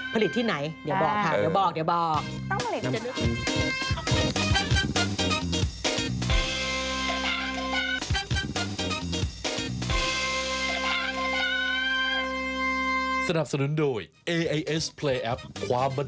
ผลิตที่ไหนเดี๋ยวบอกค่ะเดี๋ยวบอก